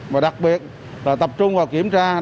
và đặc biệt là tập trung vào kiểm tra kiểm soát